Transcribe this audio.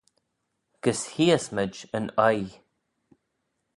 Gys heeys mayd yn oaie.